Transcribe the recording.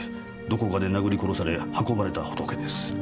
どこかで殴り殺され運ばれたホトケです。